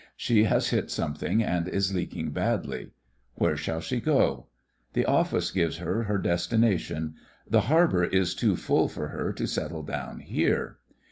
She has hit something and is leaking badly. Where shall she go? The Office gives her her destination — the harbour is too full for her to settle down here.